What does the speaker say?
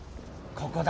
ここだ。